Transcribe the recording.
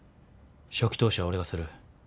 初期投資は俺がする。